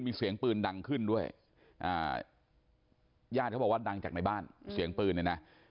มีเสียงปืนดังขึ้นด้วยญาติเขาบอกว่าดังจากในบ้านเสียงปืนเนี่ยนะ